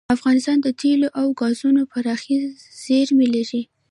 افغانستان د تیلو او ګازو پراخې زیرمې لري.